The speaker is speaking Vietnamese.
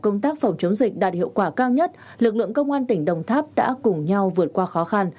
công tác phòng chống dịch đạt hiệu quả cao nhất lực lượng công an tỉnh đồng tháp đã cùng nhau vượt qua khó khăn